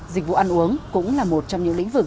dịch vụ ăn uống cũng là một trong những lĩnh vực